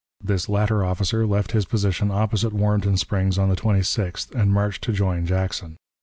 This latter officer left his position opposite Warrenton Springs on the 26th and marched to join Jackson.